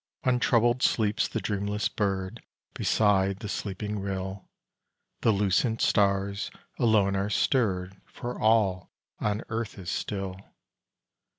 Untroubled sleeps the dreamless bird Beside the sleeping rill; The lucent stars alone are stirred, For all on earth is still.